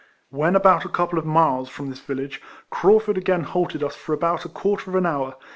When about a couple of miles from this village, Craufurd again halted us for about a quarter of an hour.